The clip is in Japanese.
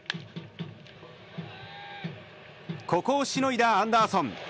ここをしのいだアンダーソン。